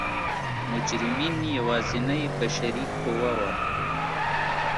مجرمین یوازینۍ بشري قوه وه.